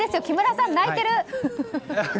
木村さん、泣いてる！